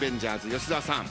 吉沢さん